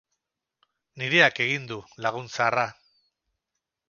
Nireak egin du, lagun zaharra.